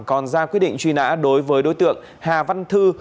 còn ra quyết định truy nã đối với đối tượng hà văn thư